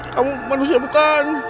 kamu manusia bukan